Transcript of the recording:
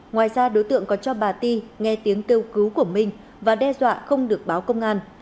ngoài ra đối tượng còn cho bà ti nghe tiếng kêu cứu của minh và đe dọa không được báo công an